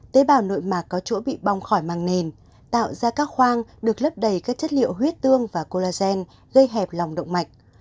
tế bào nội mạc có chỗ bị bong khỏi màng nền tạo ra các khoang được lấp đầy các chất liệu huyết tương và colagen gây hẹp lòng động mạch